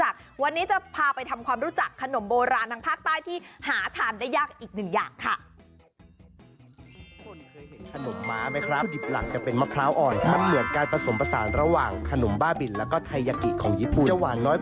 ขนมโบราณทางภาคใต้มันมีเยอะแยะมากมายที่เรายังไม่รู้จัก